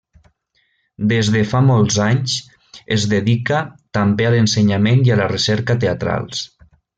Des de fa molts anys, es dedica també a l'ensenyament i a la recerca teatrals.